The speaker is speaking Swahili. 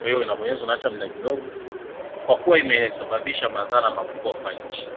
kwa kuwa imesababisha madhara makubwa kwa nchi